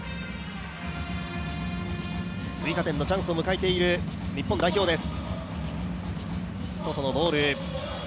追加点のチャンスを迎えている日本代表です。